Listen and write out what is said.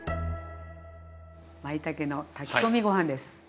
まいたけの炊き込みご飯です！